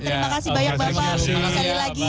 terima kasih banyak bapak sekali lagi